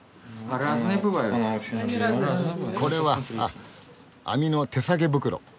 これはあっ網の手提げ袋。